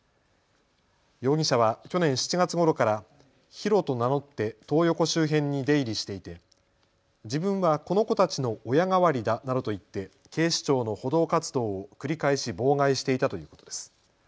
容疑者は去年７月ごろからヒロと名乗ってトー横周辺に出入りしていて自分はこの子たちの親代わりだなどと言って警視庁の補導活動を繰り返し妨害していたということです。